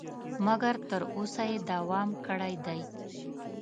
مګر تر اوسه یې دوام کړی دی.